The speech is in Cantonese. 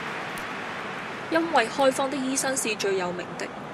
因爲開方的醫生是最有名的，